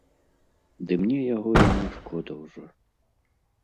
Ды мне яго і не шкода ўжо.